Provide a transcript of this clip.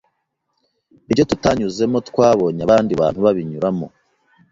ibyo tutanyuzemo twabonye abandi bantu babinyuramo.